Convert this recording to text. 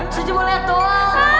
suci boleh tua